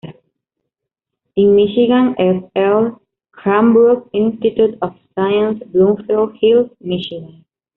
In Michigan Fl.. Cranbrook Institute of Science, Bloomfield Hills, Michigan.